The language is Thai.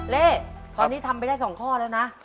เล่ตอนนี้ทำไปได้๒ข้อแล้วนะ